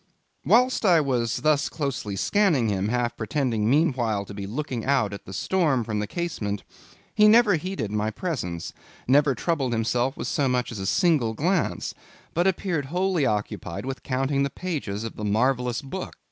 Whilst I was thus closely scanning him, half pretending meanwhile to be looking out at the storm from the casement, he never heeded my presence, never troubled himself with so much as a single glance; but appeared wholly occupied with counting the pages of the marvellous book.